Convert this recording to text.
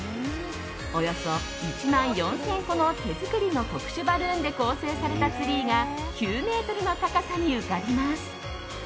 およそ１万４０００個の手作りの特殊バルーンで構成されたツリーが９ｍの高さに浮かびます。